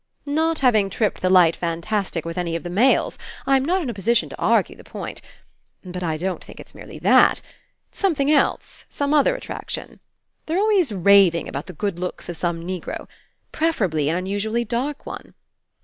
"Not having tripped the light fantastic with any of the males, I'm not In a position to argue the point. But I don't think It's merely that. 'S something else, some other attraction. They're always raving about the good looks of 138 RE ENCOUNTER some Negro, preferably an unusually dark one.